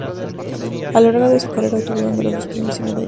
A lo largo de su carrera obtuvo numerosos premios y medallas.